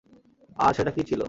আর সেটা কি ছিল?